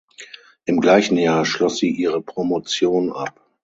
Im gleichen Jahr schloss sie ihre Promotion ab.